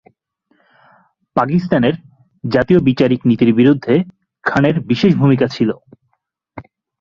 পাকিস্তানের জাতীয় বিচারিক নীতির বিরুদ্ধে খানের বিশেষ ভূমিকা ছিল।